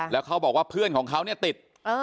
แล้วเขาบอกว่าเพื่อนของเขาเนี่ยติด